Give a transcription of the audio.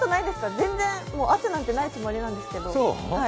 全然、圧なんてないつもりなんですけど。